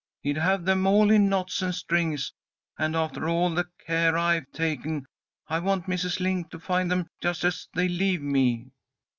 He'd have them all in knots and strings, and after all the care I've taken I want Mrs. Link to find them just as they leave me."